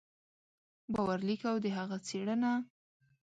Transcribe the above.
باور لیک او د هغه څېړنه